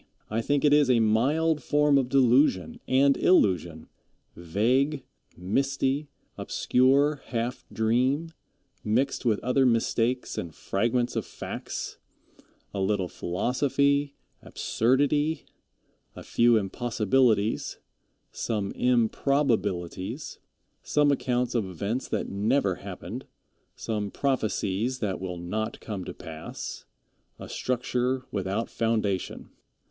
I think it is a mild form of delusion and illusion; vague, misty, obscure, half dream, mixed with other mistakes and fragments of facts a little philosophy, absurdity a few impossibilities some improbabilities some accounts of events that never happened some prophecies that will not come to pass a structure without foundation.